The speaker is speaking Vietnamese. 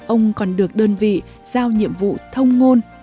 ông còn được đơn vị giao nhiệm vụ thông ngôn